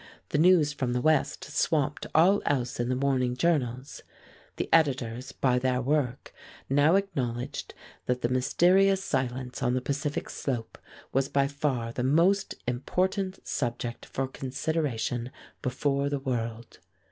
The news from the West swamped all else in the morning journals. The editors, by their work, now acknowledged that the mysterious silence on the Pacific Slope was by far the most important subject for consideration before the world.